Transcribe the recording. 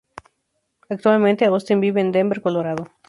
Actualmente, Austin vive en Denver, Colorado.